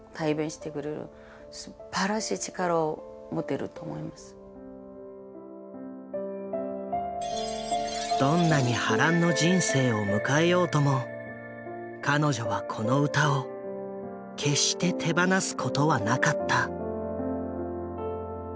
やっぱりどんなに波乱の人生を迎えようとも彼女はこの歌を決して手放すことはなかった。